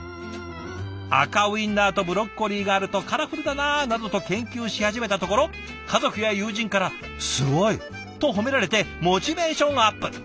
「赤ウインナーとブロッコリーがあるとカラフルだな」などと研究し始めたところ家族や友人から「すごい！」と褒められてモチベーションアップ。